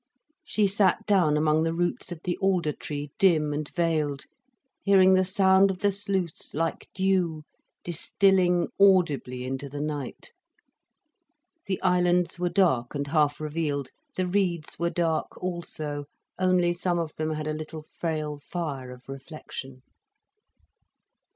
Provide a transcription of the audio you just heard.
She sat down among the roots of the alder tree, dim and veiled, hearing the sound of the sluice like dew distilling audibly into the night. The islands were dark and half revealed, the reeds were dark also, only some of them had a little frail fire of reflection.